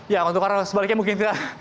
ya untuk arah sebaliknya mungkin tidak